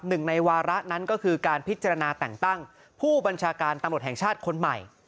ในวาระนั้นก็คือการพิจารณาแต่งตั้งผู้บัญชาการตำรวจแห่งชาติคนใหม่